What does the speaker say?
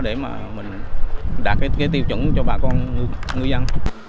để mà mình đạt cái tiêu chuẩn cho bà con ngư dân